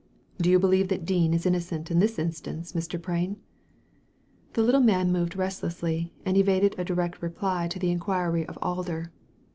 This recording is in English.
''Do you believe that Dean is innocent in this instance, Mr. Prain ?" The little man moved restlessly and evaded a direct reply to the inquiry of Alder.